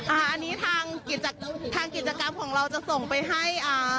อันนี้ทางกิจกรรมของเราจะส่งไปให้อ่า